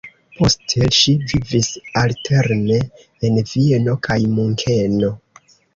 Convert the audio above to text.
Poste ŝi vivis alterne en Vieno kaj Munkeno.